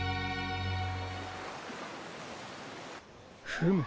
フム。